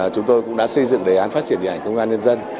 chúng tôi cũng đã xây dựng đề án phát triển điện ảnh công an nhân dân